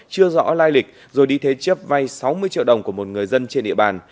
chưa rõ lai lịch rồi đi thế chấp vay sáu mươi triệu đồng của một người dân trên địa bàn